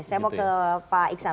saya mau ke pak iksan